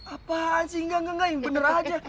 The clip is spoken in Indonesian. apaan sih enggak enggak enggak yang bener aja